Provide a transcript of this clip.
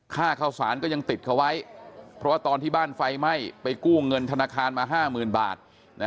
ค่าข้าวสารก็ยังติดเขาไว้เพราะว่าตอนที่บ้านไฟไหม้ไปกู้เงินธนาคารมา๕๐๐๐บาท